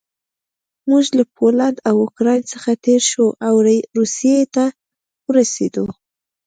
موږ له پولنډ او اوکراین څخه تېر شوو او روسیې ته ورسېدو